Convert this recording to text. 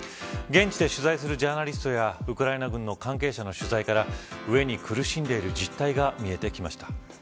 現地で取材するジャーナリストやウクライナ軍の関係者の取材から飢えに苦しんでいる実態が見えてきました。